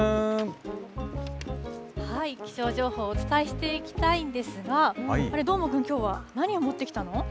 気象情報をお伝えしていきたいんですが、あれ、どーもくん、きょうは何を持ってきたの？